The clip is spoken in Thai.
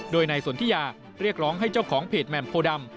โดยนายสนทิยาเรียกร้องให้เจ้าของเพจแหม่มโพดำ